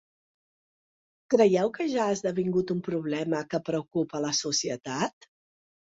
Creieu que ja ha esdevingut un problema que preocupa a la societat?